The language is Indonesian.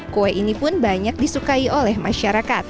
kue ini pun banyak disukai oleh masyarakat